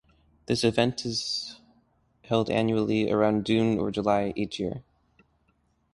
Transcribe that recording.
This event is held annually around June or July each year.